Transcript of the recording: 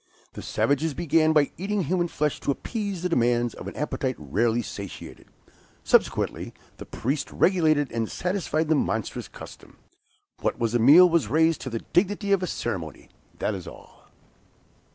The savages began by eating human flesh to appease the demands of an appetite rarely satiated; subsequently the priests regulated and satisfied the monstrous custom. What was a meal, was raised to the dignity of a ceremony, that is all.